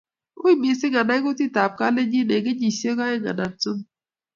uiy mising' inai kutit ab kalenjin eng' kenyishek aeng anan somok